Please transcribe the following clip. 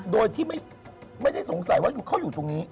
โดยที่ไม่ได้สงสัยว่าเขาอยู่ตรงนี้